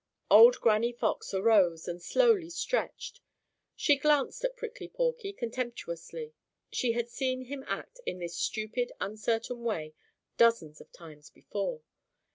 Old Granny Fox arose and slowly stretched. She glanced at Prickly Porky contemptuously. She had seen him act in this stupid, uncertain way dozens of times before.